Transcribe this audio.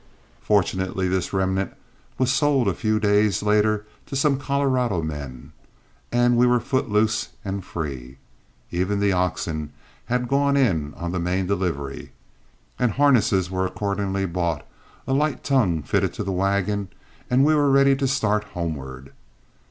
Fortunately this remnant was sold a few days later to some Colorado men, and we were foot loose and free. Even the oxen had gone in on the main delivery, and harnesses were accordingly bought, a light tongue fitted to the wagon, and we were ready to start homeward.